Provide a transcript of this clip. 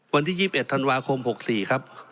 วันที่๒๑ธันวาคม๖๔ครับ